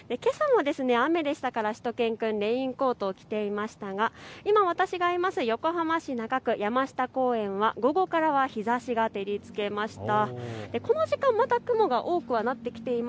けさも雨でしたからしゅと犬くん、レインコートを着ていましたが今私がいる横浜市中区の山下公園は午後からは日ざしが照りつけました。